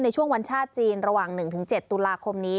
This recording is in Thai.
ในช่วงวันชาติจีนระหว่าง๑๗ตุลาคมนี้